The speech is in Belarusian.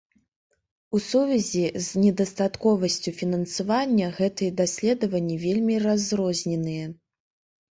У сувязі з недастатковасцю фінансавання гэтыя даследаванні вельмі разрозненыя.